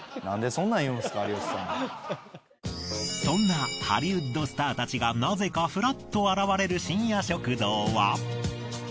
そんなハリウッドスターたちがなぜかふらっと現れる深夜食堂は。